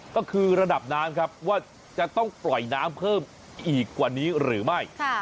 ก็คือระดับน้ำครับว่าจะต้องปล่อยน้ำเพิ่มอีกกว่านี้หรือไม่